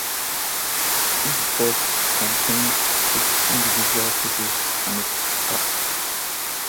Each box contains six individual pieces and a sticker.